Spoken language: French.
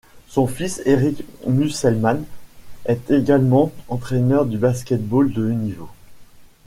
Son fils, Eric Musselman, est également entraîneur de basket-ball de haut niveau.